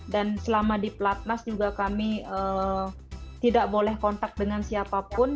dan selama di platmas juga kami tidak boleh kontak dengan siapapun